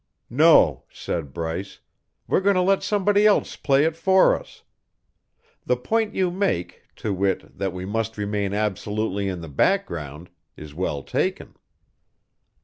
"No," said Bryce, "we're going to let somebody else play it for us. The point you make to wit, that we must remain absolutely in the background is well taken."